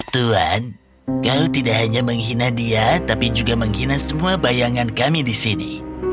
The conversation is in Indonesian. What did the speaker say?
tuhan kau tidak hanya menghina dia tapi juga menghina semua bayangan kami di sini